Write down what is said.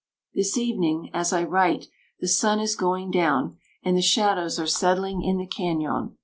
"This evening, as I write, the sun is going down, and the shadows are settling in the cañon.